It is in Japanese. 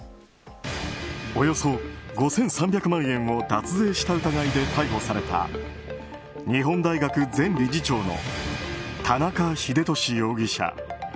およそ５３００万円を脱税した疑いで逮捕された日本大学前理事長の田中英寿容疑者。